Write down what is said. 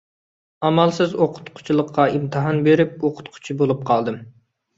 ئامالسىز ئوقۇتقۇچىلىققا ئىمتىھان بېرىپ، ئوقۇتقۇچى بولۇپ قالدىم.